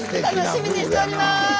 楽しみにしております。